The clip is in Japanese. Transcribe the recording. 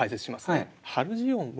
はい。